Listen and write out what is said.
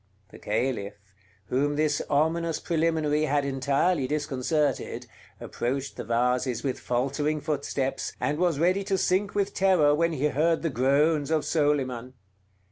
The Caliph, whom this ominous preliminary had entirely disconcerted, approached the vases with faltering footsteps, and was ready to sink with terror when he heard the groans of Soliman.